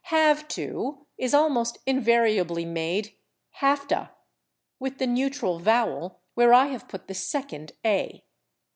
/Have to/ is almost invariably made /hafta/, with the neutral vowel where I have put the second /a